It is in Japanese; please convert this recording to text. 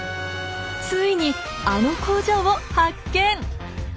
ついにあの工場を発見。